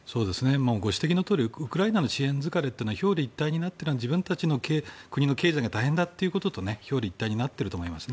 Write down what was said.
ご指摘のとおりウクライナの支援疲れは自分たちの国の経済が大変だということと表裏一体となっていると思います。